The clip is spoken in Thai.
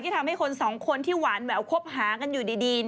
ทำให้คนสองคนที่หวานแหววคบหากันอยู่ดี